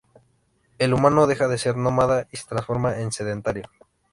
El humano deja de ser nómada y se transforma en sedentario.